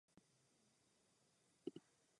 Stuha je červená s tmavě rudými postranními proužky.